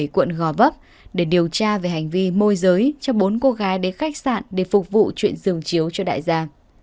quận gò vấp để điều tra về hành vi môi giới cho bốn cô gái đến khách sạn để phục vụ chuyện dường chiếu cho đại gia